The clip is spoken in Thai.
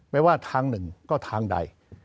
ไม่ว่าทางหนึ่งก็ทางใด